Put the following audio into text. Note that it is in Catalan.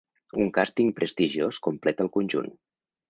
Un càsting prestigiós completa el conjunt.